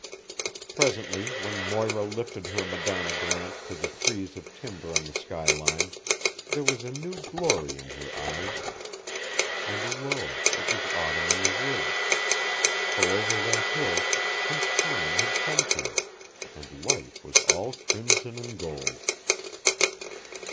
Presently, when Moira lifted her Madonna glance to the frieze of timber on the skyline, there was a new glory in her eyes; and lo, it was autumn in the woods, for over that hill Prince Charming had come to her, and life was all crimson and gold!